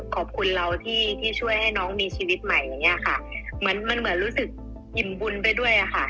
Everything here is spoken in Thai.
ขอบคุณเราที่ที่ช่วยให้น้องมีชีวิตใหม่อย่างเงี้ยค่ะเหมือนมันเหมือนรู้สึกอิ่มบุญไปด้วยอะค่ะ